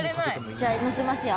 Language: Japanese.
じゃあのせますよ。